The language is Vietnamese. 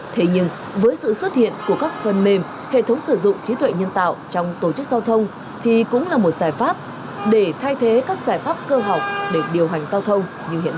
thế nhưng với sự xuất hiện của các phần mềm hệ thống sử dụng trí tuệ nhân tạo trong tổ chức giao thông thì cũng là một giải pháp để thay thế các giải pháp cơ học để điều hành giao thông như hiện nay